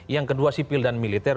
yang kedua sipil dan militer